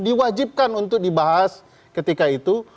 diwajibkan untuk dibahas ketika itu